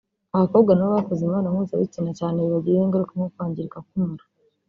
Abakobwa nabo bakoze imibonano mpuzabitsina cyane bibagiraho ingaruka nko kwangirika k’umura